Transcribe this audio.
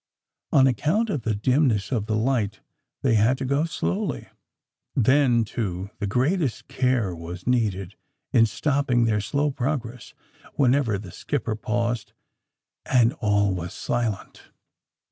On account of the dimness of the light tliey had to go slowly. Then, too, the greatest care was needed in stopping their slow progress whenever the skipper paused and all was silent.